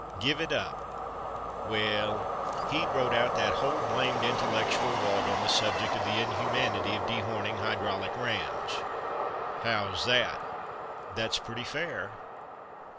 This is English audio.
"Give it up!" "Well, he'd wrote out that whole blamed intellectual wad on the subject of 'The Inhumanity of Dehorning Hydraulic Rams.' How's that?" "That's pretty fair."